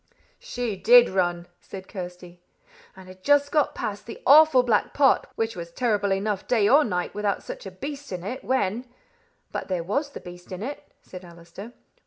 "She did run," said Kirsty, "and had just got past the awful black pot, which was terrible enough day or night without such a beast in it, when " "But there was the beast in it," said Allister.